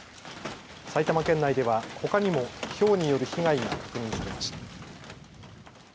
埼玉県内では、ほかにもひょうによる被害が確認されました。